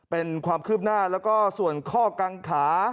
เป็นความคืบหน้าแล้วก็ส่วนข้อกังขา